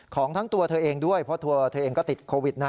ของทั้งตัวเธอเองด้วยเพราะตัวเธอเองก็ติดโควิดนะ